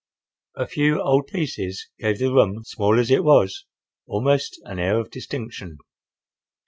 A few old pieces gave the room, small as it was, almost an air of distinction.